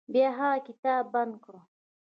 بیا هغه کتاب بند کړ.